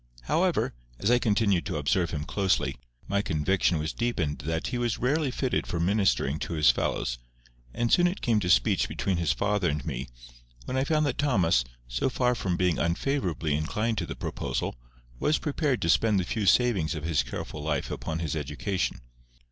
However, as I continued to observe him closely, my conviction was deepened that he was rarely fitted for ministering to his fellows; and soon it came to speech between his father and me, when I found that Thomas, so far from being unfavourably inclined to the proposal, was prepared to spend the few savings of his careful life upon his education.